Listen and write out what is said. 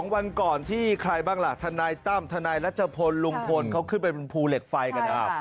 ๒วันก่อนที่ใครบ้างล่ะทนายต้ำทนายรัชโภนลุงพลเขาขึ้นไปเป็นภูเหล็กไฟกันนะครับ